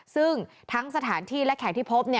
ซึ่งทั้งสถานที่และแขกที่พบ